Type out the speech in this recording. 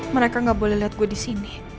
mereka gak boleh liat gue disini